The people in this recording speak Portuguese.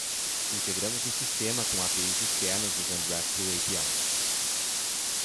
Integramos o sistema com APIs externas usando RESTful API.